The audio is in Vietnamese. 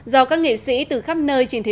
do các nghệ sĩ từ khắp nơi trình bày